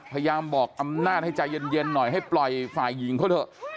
พยายามบอกอำนาจให้ใจเย็นหน่อยให้ปล่อยฝ่ายหญิงเขาเถอะ